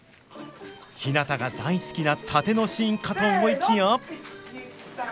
ひなたが大好きな殺陣のシーンかと思いきや。